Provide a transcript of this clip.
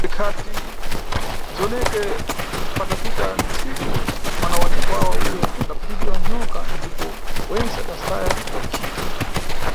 Bzingati bziwoneke, patapita ntsiku, mwana wa nyakwawa ule adaphatidwa na nyoka, ndipo wentse adasaya bzakucita.